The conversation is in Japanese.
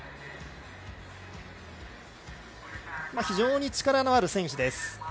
非常に力のある選手です。